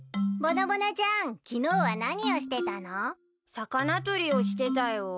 魚とりをしてたよ。